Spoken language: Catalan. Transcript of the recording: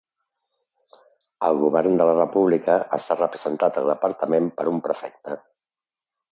El govern de la república està representat al departament per un prefecte.